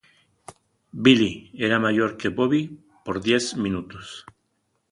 Billy era mayor que Bobby por diez minutos.